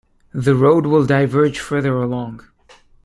The road will diverge further along.